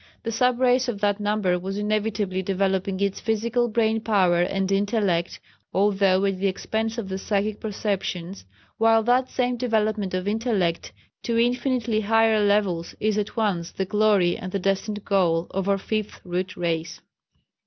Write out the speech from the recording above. The sub race of that number was inevitably developing its physical brain power and intellect; although at the expense of the psychic perceptions, while that same development of intellect to infinitely higher levels is at once the glory and the destined goal of our Fifth Root Race.